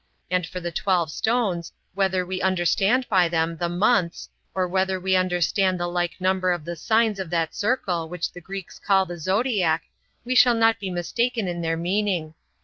And for the twelve stones, whether we understand by them the months, or whether we understand the like number of the signs of that circle which the Greeks call the Zodiac, we shall not be mistaken in their meaning.